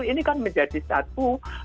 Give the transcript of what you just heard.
ini kan menjadi satu